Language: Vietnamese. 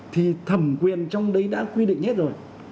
thì thẩm quyền trong đấy đã quy định hết rồi